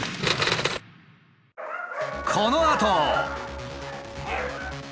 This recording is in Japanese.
このあと。